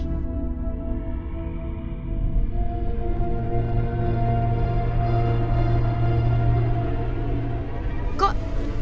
aku juga takut